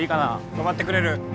止まってくれる？